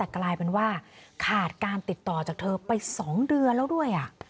กลายเป็นว่าขาดการติดต่อจากเธอไป๒เดือนแล้วด้วย